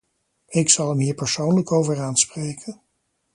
Ik zal hem hier persoonlijk over aanspreken.